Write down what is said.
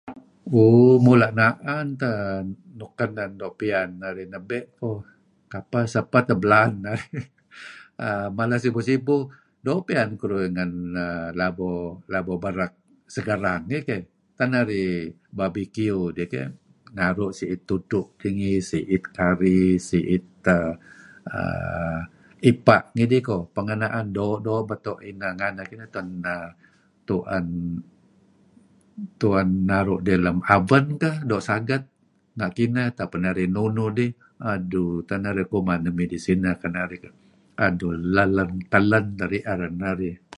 OOh mula' naan teh nuk kanen piyan narih nabe' kapeh sapeh teh belaan. Mala sibuh-sibuh. Doo' piyan keduih ngen Labo Berek segerang iih keyh. Tak narih barbeque idih keyh naru' siit udtu' dingi siit curry siit uhm ipa' ngidih koh, pangeh naan doo'-doo' ineh nganeh kineh tuen neh, tuen naru' idih lem oven doo' saget renga' kineh dih atau nunuh dih. Adu tak narih kuman nuk midih sineh ken narih adui la' telen teh rier narih.